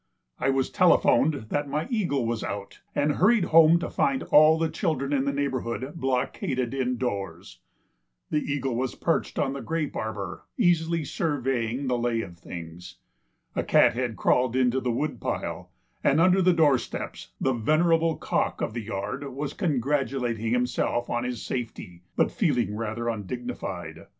I was telephoned that my eagle was out, and hurried home to find all the children in the neighborhood blockaded indoors. The eagle was perched on the grape arbor easily surveying the lay of things. A cat had crawled into the wood pile and under the doorsteps the venerable cock of the yard was congratulating himself on his safety, but feeling rather undignified.